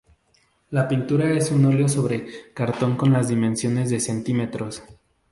La pintura es un oleo sobre cartón con unas dimensiones de centímetros.